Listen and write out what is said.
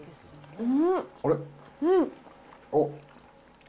うん。